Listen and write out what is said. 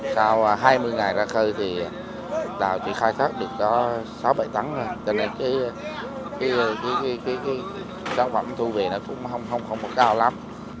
sau hai mươi ngày ra khơi thì tàu chỉ khai thác được có sáu bảy tắng rồi cho nên cái giá phẩm thu về nó cũng không có cao lắm